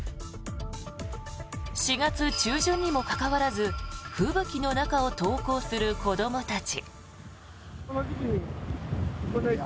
４月中旬にもかかわらず吹雪の中を登校する子どもたち。